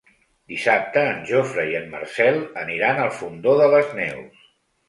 Dissabte en Jofre i en Marcel aniran al Fondó de les Neus.